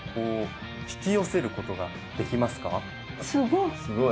すごい！